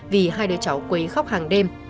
vì hai đứa cháu quấy khóc hàng đêm